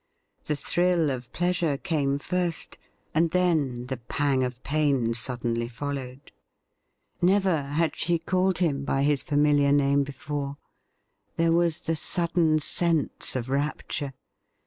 The thrill of pleasure came first, and then the pang of pain suddenly followed. Never had she called him by his familiar name before — there was the sudden sense of rapture.